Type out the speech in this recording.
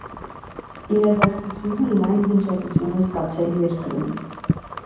Իրադարձությունը լայն հնչեղություն է ստացել երկրում։